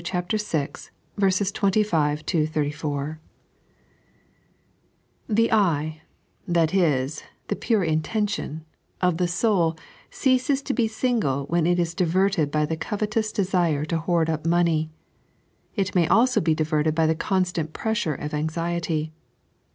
rt. 26 34.) THE eye — that is, the pure intention — of the soul ceases to be single when it is diverted hy the covetous desire to hoard up money. It may also be diverted by the constant pressure of anxiety.